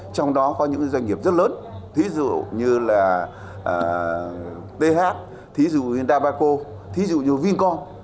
trong đó có những doanh nghiệp rất lớn thí dụ như là th thí dụ như dabaco thí dụ như vincom